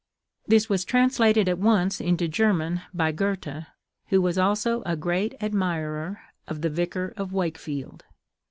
This was translated at once into German by Goethe, who was also a great admirer of the "Vicar of Wakefield."